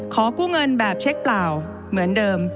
ขอกู้เงินแบบเช็คเปล่าเหมือนเดิม